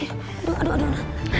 aduh aduh aduh